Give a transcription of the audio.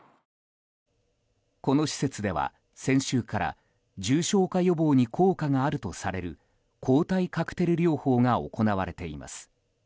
この施設では先週から重症化予防に効果があるとされる抗体カクテル療法が行われています。